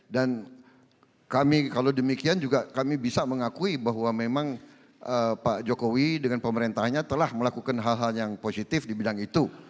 dan kami kalau demikian juga kami bisa mengakui bahwa memang pak jokowi dengan pemerintahnya telah melakukan hal hal yang positif di bidang itu